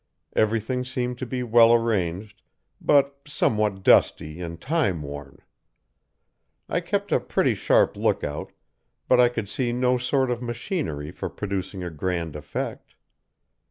Everything seemed to be well arranged, but somewhat dusty and time worn. I kept a pretty sharp lookout, but I could see no sort of machinery for producing a grand effect.